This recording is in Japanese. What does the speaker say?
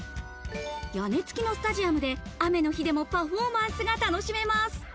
屋根付きのスタジアムで雨の日でもパフォーマンスが楽しめます。